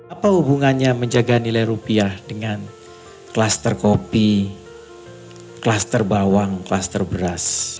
apa hubungannya menjaga nilai rupiah dengan kluster kopi kluster bawang kluster beras